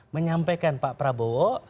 menyampaikan pak prabowo